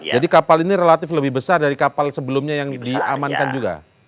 jadi kapal ini relatif lebih besar dari kapal sebelumnya yang diamankan juga